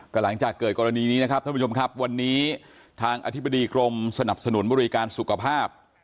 ก็หลังจากเกิดกรณีนี้นะครับท่านผู้ชมครับวันนี้ทางอธิบดีกรมสนับสนุนบริการสุขภาพ